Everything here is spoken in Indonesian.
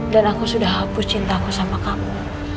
dan aku sudah hapus cintaku sama kamu